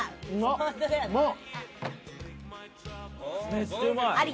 めっちゃうまい。